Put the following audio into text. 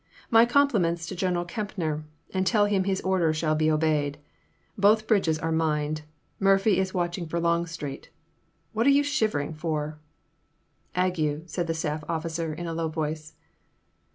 My compliments to General Kempner, and tell him his orders shall be obeyed. Both bridges are mined. Murphy is watching for I/)ngstreet — ^What are you shivering for ?"Ague," said the staff officer in a low voice.